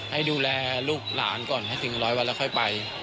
ให้ดูแลลูกหลานก่อนให้ถึงร้อยวันแล้วค่อยไป